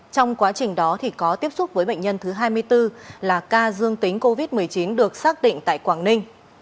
trong quá trình đó có tiếp xúc với bệnh nhân thứ hai mươi bốn là ca dương tính covid một mươi chín được xác định tại quảng ninh